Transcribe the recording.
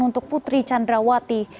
untuk putri candrawati